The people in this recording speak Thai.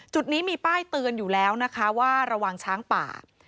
จุดนี้มีป้ายเตือนอยู่แล้วนะคะว่าระวังช้างป่า